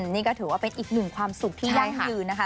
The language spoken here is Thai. นี่ก็ถือว่าเป็นอีกหนึ่งความสุขที่ยั่งยืนนะคะ